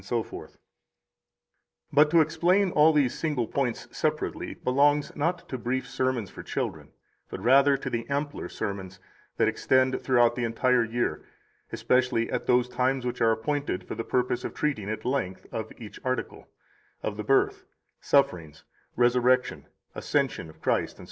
32 But to explain all these single points separately belongs not to brief sermons for children, but rather to the ampler sermons that extend throughout the entire year, especially at those times which are appointed for the purpose of treating at length of each article of the birth, sufferings, resurrection, ascension of Christ, etc.